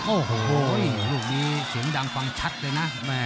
โอ้โหลูกนี้เสียงดังฟังชัดเลยนะ